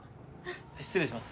失礼します。